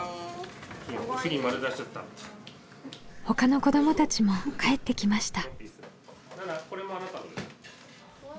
ほかの子どもたちも帰ってきました。